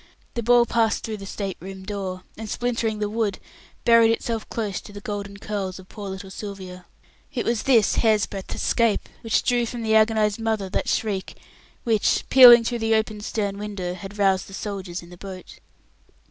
The ball passed through the state room door, and splintering the wood, buried itself close to the golden curls of poor little Sylvia. It was this hair's breadth escape which drew from the agonized mother that shriek which, pealing through the open stern window, had roused the soldiers in the boat.